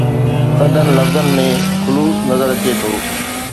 سندن لفظن ۾ خلوص نظر اچي ٿو.